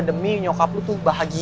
demi nyokap lu tuh bahagia